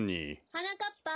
はなかっぱ。